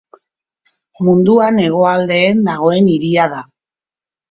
Munduan hegoaldeen dagoen hiria da.